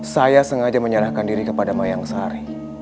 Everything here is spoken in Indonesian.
saya sengaja menyerahkan diri kepada mayang sari